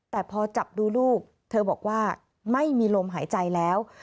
แต่พอจับดูลูกเธอบอกว่าไม่มีลมหายใจแล้ว